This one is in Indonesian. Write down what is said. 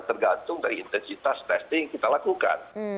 tergantung dari intensitas testing yang kita lakukan